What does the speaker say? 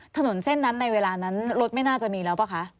ถนนเส้นนั้นในเวลานั้นรถไม่น่าจะมีแล้วป่ะคะ